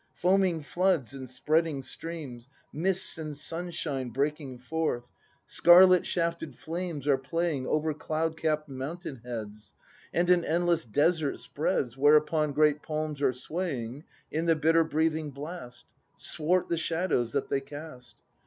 Foaming floods and spreading streams. Mists and sunshine breaking forth. ACT II] BRAND 81 Scarlet shafted flames are playing Over cloud capp'd mountain heads. And an endless desert spreads, Whereupon great palms are swaying In the bitter breathing blast. Swart the shadows that they cast.